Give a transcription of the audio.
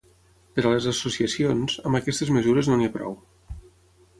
Per a les associacions, amb aquestes mesures no n’hi ha prou.